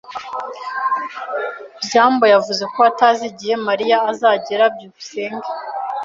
byambo yavuze ko atazi igihe Mariya azagera. byukusenge